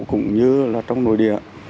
cũng như là trong nội địa